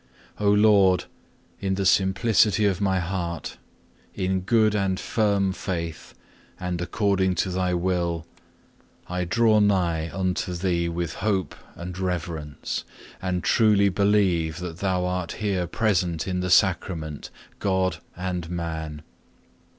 2. O Lord, in the simplicity of my heart, in good and firm faith, and according to Thy will, I draw nigh unto Thee with hope and reverence, and truly believe that Thou art here present in the Sacrament, God and man.